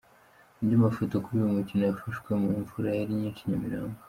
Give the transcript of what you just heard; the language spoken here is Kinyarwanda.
Andi mafoto kuri uyu mukino yafashwe mu mvura yari nyinshi i Nyamirambo.